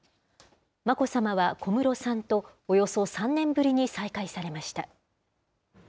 眞子さまは小室さんとおよそ３年ぶりに再会されました。